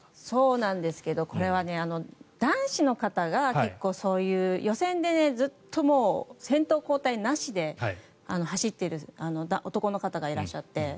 そうなんですけどこれは男子の方が結構、そういう予選でずっと先頭交代なしで走ってる男の方がいらっしゃって。